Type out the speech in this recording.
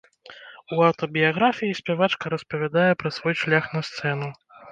У аўтабіяграфіі спявачка распавядае пра свой шлях на сцэну.